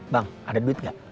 bang ada duit nggak